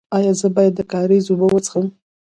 ایا زه باید د کاریز اوبه وڅښم؟